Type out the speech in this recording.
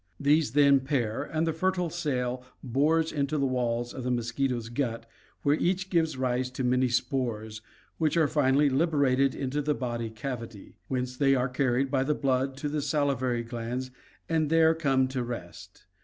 These then pair and the fertile cell bores into the walls of the mosquito's gut where each gives rise to many spores which are finally liberated into the body cavity, whence they are carried by the blood to the salivary glands and there come to rest.